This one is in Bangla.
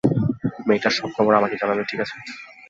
মেয়েটার সব খবর আমাকে জানাবে, ঠিক আছে?